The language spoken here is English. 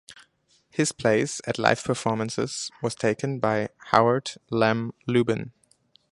His place at live performances was taken by Howard 'Lem' Lubin.